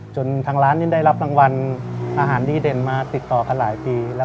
ทางร้านนี้ได้รับรางวัลอาหารดีเด่นมาติดต่อกันหลายปีแล้ว